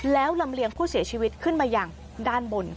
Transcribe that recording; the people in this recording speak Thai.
แล้วลำเลียงผู้เสียชีวิตขึ้นมาอย่างด้านบน